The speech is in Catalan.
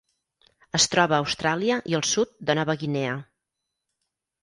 Es troba a Austràlia i al sud de Nova Guinea.